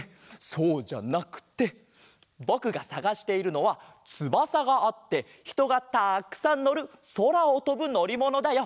そうじゃなくてぼくがさがしているのはつばさがあってひとがたくさんのるそらをとぶのりものだよ。